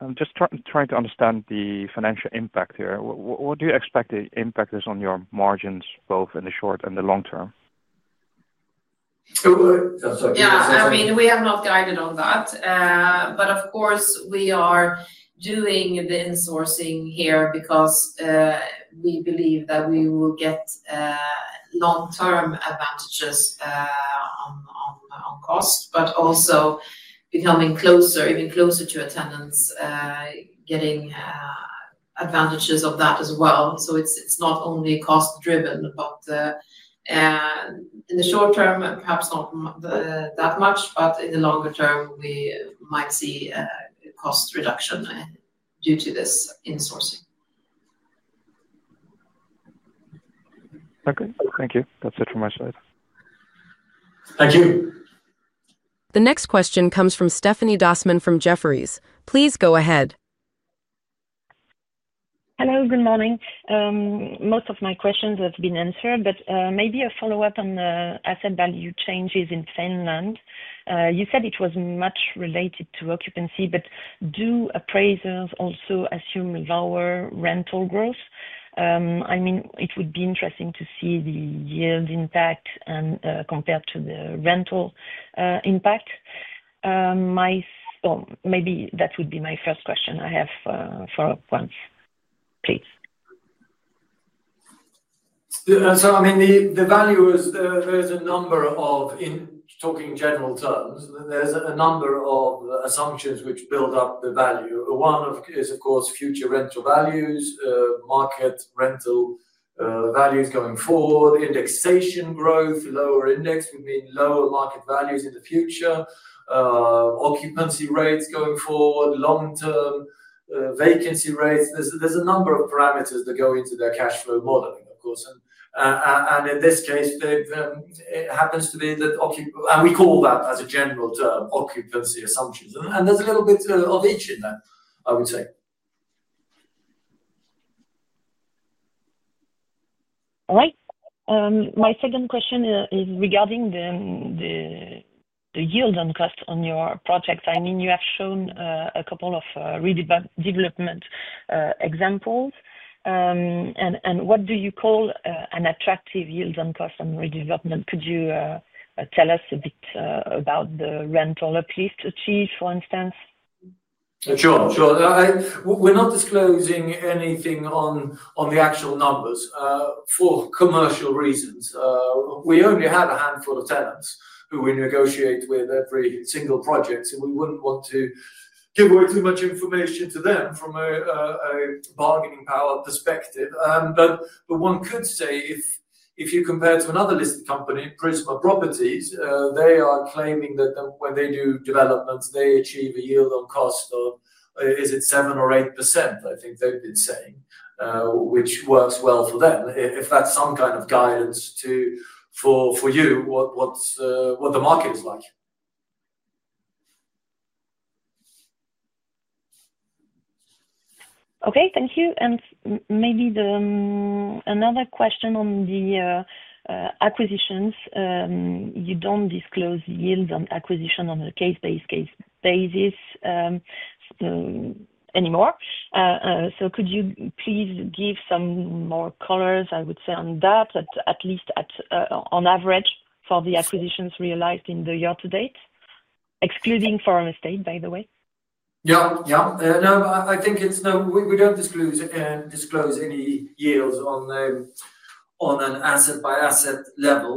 I'm just trying to understand the financial impact here. What do you expect the impact is on your margins, both in the short and the long term? Yeah. I mean, we have not guided on that. But of course, we are doing the insourcing here because we believe that we will get long-term advantages on cost, but also becoming closer, even closer to tenants, getting advantages of that as well. So it's not only cost-driven, but in the short term, perhaps not that much, but in the longer term, we might see a cost reduction due to this insourcing. Okay. Thank you. That's it from my side. Thank you. The next question comes from Stéphanie Dossmann, from Jefferies. Please go ahead. Hello. Good morning. Most of my questions have been answered, but maybe a follow-up on asset value changes in Finland. You said it was much related to occupancy, but do appraisers also assume lower rental growth? I mean, it would be interesting to see the yield impact compared to the rental impact. Maybe that would be my first question I have for once, please. I mean, the value is a number of, in talking general terms, there's a number of assumptions which build up the value. One is, of course, future rental values, market rental values going forward, indexation growth, lower index would mean lower market values in the future. Occupancy rates going forward, long-term vacancy rates. There's a number of parameters that go into their cash flow modeling, of course. In this case, it happens to be that—and we call that as a general term—occupancy assumptions. There's a little bit of each in there, I would say. All right. My second question is regarding the yield on cost on your projects. I mean, you have shown a couple of redevelopment examples. What do you call an attractive yield on cost on redevelopment? Could you tell us a bit about the rental at least achieved, for instance? Sure. Sure. We're not disclosing anything on the actual numbers for commercial reasons. We only have a handful of tenants who we negotiate with every single project, so we wouldn't want to give away too much information to them from a bargaining power perspective. One could say if you compare to another listed company, Prisma Properties, they are claiming that when they do development, they achieve a yield on cost of, is it 7% or 8%, I think they've been saying, which works well for them, if that's some kind of guidance for you, what the market is like. Okay. Thank you. Maybe another question on the acquisitions. You don't disclose yields on acquisition on a case-by-case basis anymore. Could you please give some more colors, I would say, on that, at least on average for the acquisitions realized in the year to date, excluding Forum Estates, by the way? Yeah. Yeah. No, I think we don't disclose any yields on an asset-by-asset level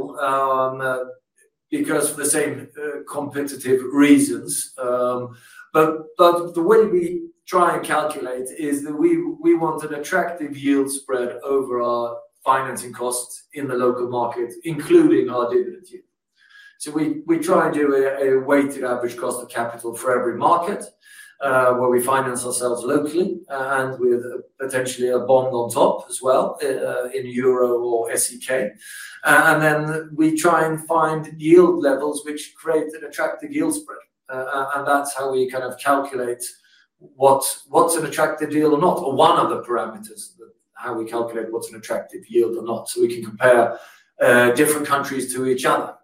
because of the same competitive reasons. The way we try and calculate is that we want an attractive yield spread over our financing costs in the local market, including our dividend yield. We try and do a weighted average cost of capital for every market where we finance ourselves locally and with potentially a bond on top as well in euro or SEK. Then we try and find yield levels which create an attractive yield spread. That is how we kind of calculate what is an attractive deal or not, or one of the parameters that how we calculate what is an attractive yield or not so we can compare different countries to each other.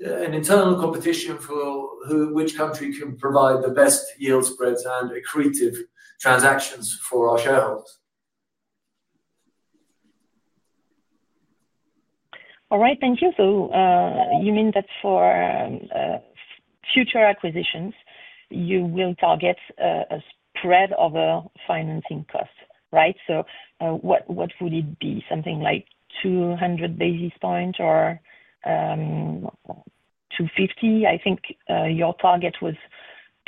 An internal competition for which country can provide the best yield spreads and accretive transactions for our shareholders. All right. Thank you. You mean that for future acquisitions, you will target a spread over financing costs, right? Would it be something like 200 basis points or 250? I think your target was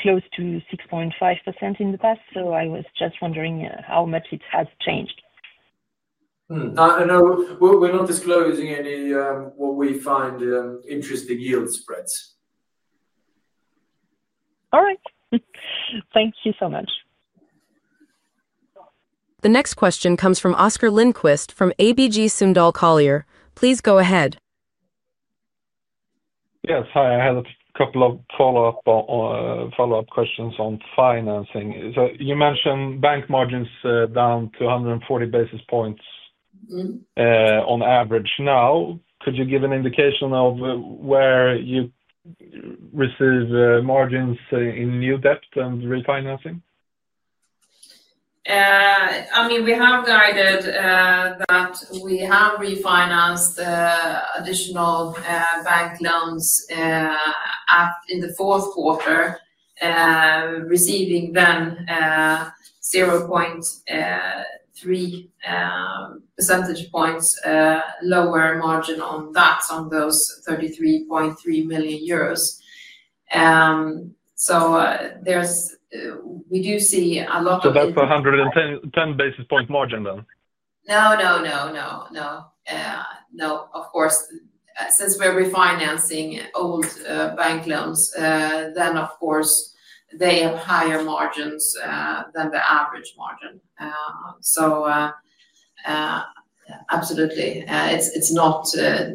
close to 6.5% in the past. I was just wondering how much it has changed. No, we are not disclosing any what we find interesting yield spreads. All right. Thank you so much. The next question comes from Oscar Lindquist from ABG Sundal Collier. Please go ahead. Yes. Hi. I had a couple of follow-up questions on financing. You mentioned bank margins down to 140 basis points on average now. Could you give an indication of where you receive margins in new debt and refinancing? I mean, we have guided that we have refinanced additional bank loans in the fourth quarter, receiving then 0.3 percentage points lower margin on those 33.3 million euros. We do see a lot of— So that is a 110 basis point margin then? No, no, no, no, no. No, of course. Since we are refinancing old bank loans, then of course they have higher margins than the average margin. Absolutely. It is not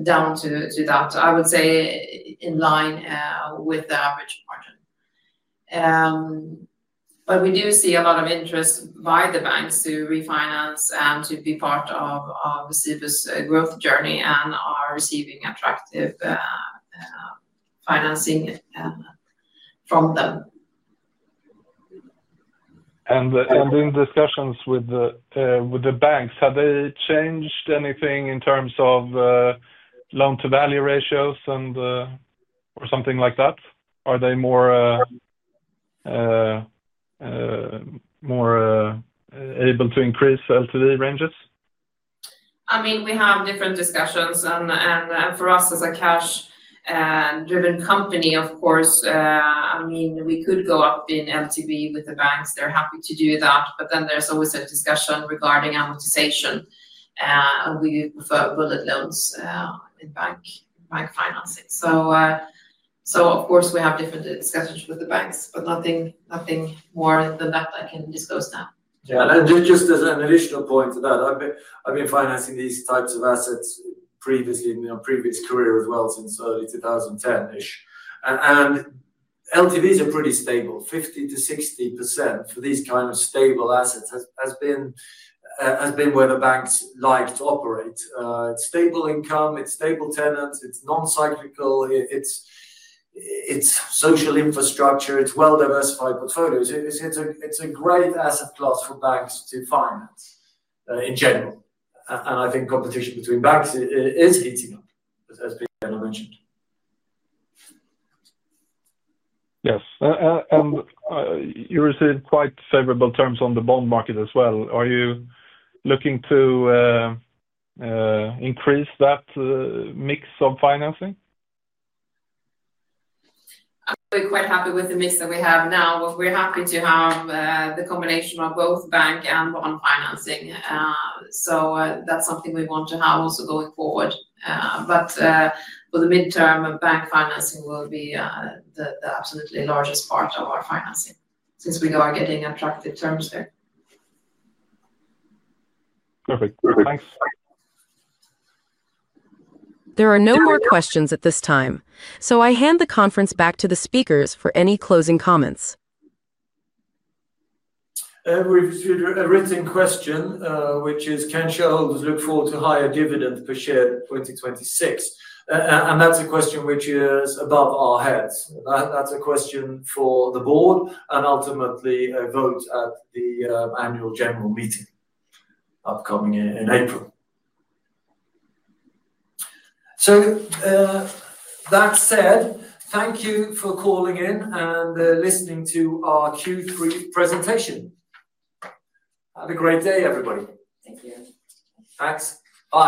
down to that. I would say in line with the average margin. We do see a lot of interest by the banks to refinance and to be part of Cibus' growth journey and are receiving attractive financing from them. In discussions with the banks, have they changed anything in terms of loan-to-value ratios or something like that? Are they more able to increase LTV ranges? We have different discussions. For us as a cash-driven company, of course, we could go up in LTV with the banks. They are happy to do that. There is always a discussion regarding amortization. We prefer bullet loans in bank financing. We have different discussions with the banks, but nothing more than that I can disclose now. Just as an additional point to that, I have been financing these types of assets previously in my previous career as well since early 2010-ish. LTVs are pretty stable. 50-60% for these kinds of stable assets has been where the banks like to operate. It is stable income. It is stable tenants. It is non-cyclical. It is social infrastructure. It is well-diversified portfolios. It is a great asset class for banks to finance in general. I think competition between banks is heating up, as PM mentioned. Yes. You received quite favorable terms on the bond market as well. Are you looking to increase that mix of financing? We're quite happy with the mix that we have now. We're happy to have the combination of both bank and bond financing. That is something we want to have also going forward. For the midterm, bank financing will be the absolutely largest part of our financing since we are getting attractive terms there. There are no more questions at this time. I hand the conference back to the speakers for any closing comments. We've received a written question, which is, "Can shareholders look forward to higher dividends per share in 2026?" That is a question which is above our heads. That is a question for the board and ultimately a vote at the annual general meeting, upcoming in April. That said, thank you for calling in and listening to our Q3 presentation. Have a great day, everybody. Thank you. Thanks. Bye.